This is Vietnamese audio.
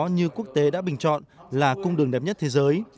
như quốc tế đã bình chọn là cung đường đẹp nhất thế giới